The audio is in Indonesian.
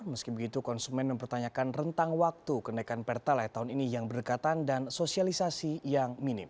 meski begitu konsumen mempertanyakan rentang waktu kenaikan pertalite tahun ini yang berdekatan dan sosialisasi yang minim